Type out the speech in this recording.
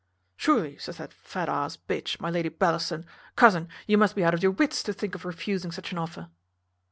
`Surely,' says that fat a se b , my Lady Bellaston, `cousin, you must be out of your wits to think of refusing such an offer.'"